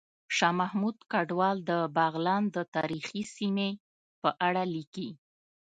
شاه محمود کډوال د بغلان د تاریخي سیمې په اړه ليکلي